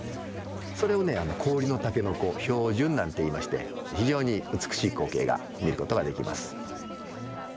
それをね氷の筍「氷筍」なんていいまして非常に美しい光景が見ることができます。